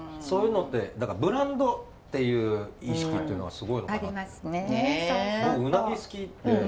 そういうのってだからブランドっていう意識っていうのがすごいのかなって。